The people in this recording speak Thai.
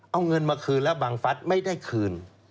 เอาเงินมาคืนแล้วบังฟัสไม่ได้คืน